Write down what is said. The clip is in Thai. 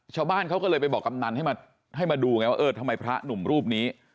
ชาวบ้านเขาก็เลยไปบอกกำนันให้มาดูไงว่าเออทำไมพระหนุ่มรูปนี้